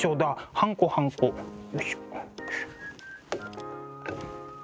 はんこはんこよいしょ。